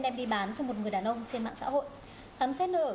đem đi bán cho một người đàn ông trên mạng xã hội